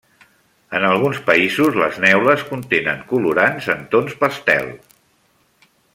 En alguns països les neules contenen colorants en tons pastel.